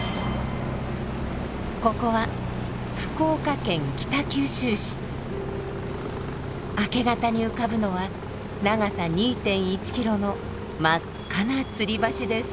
ここは明け方に浮かぶのは長さ２．１キロの真っ赤な吊り橋です。